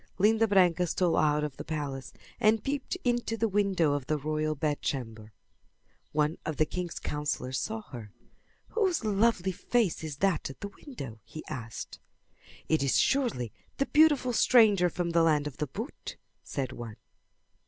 Linda Branca stole out of the palace and peeped into the window of the royal bedchamber. One of the king's counsellors saw her. "Whose lovely face is that at the window?" he asked. "It is surely the beautiful stranger from the land of the boot," said one.